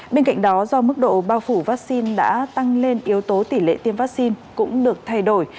bên cạnh đó do mức độ bao phủ vaccine đã tăng lên yếu tố tỷ lệ tiêm vaccine cũng được thay đổi